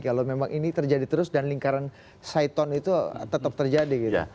kalau memang ini terjadi terus dan lingkaran saiton itu tetap terjadi gitu